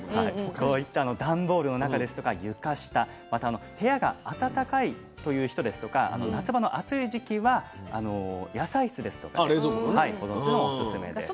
こういった段ボールの中ですとか床下また部屋が暖かいという人ですとか夏場の暑い時期は野菜室ですとかで保存するのおすすめです。